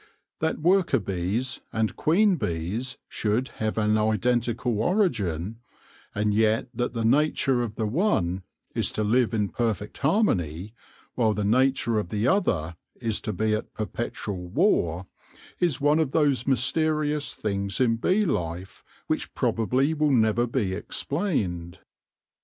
That worker bees and queen bees should have an identical origin, and yet that the nature of the one is to live in perfect harmony, while the nature of the other is to be at perpetual war, is one of those mys terious things in bee life which probably will never be explained.